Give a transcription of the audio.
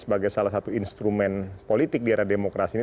sebagai salah satu instrumen politik di era demokrasi ini